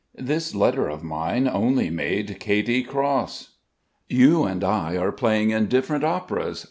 This letter of mine only made Katy cross. "You and I are playing in different operas.